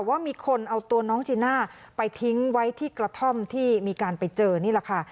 ว่ามีคนเอาตัวน้องจีน่าไปทิ้งไว้ที่กระท่อมที่มีการไปเจอนี่แหละค่ะ